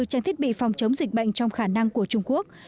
trang thiết bị phòng chống dịch bệnh trong khả năng của trung quốc